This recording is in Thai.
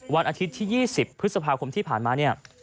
วันอาทิตย์ที่๒๐พฤษภาคมที่ผ่านมาเนี่ย